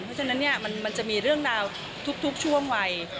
เพราะฉะนั้นมันจะมีเรื่องราวทุกช่วงวัย